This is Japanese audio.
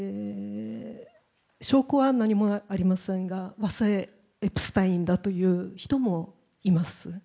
証拠は何もありませんが、和製エクスパインだという人もいます。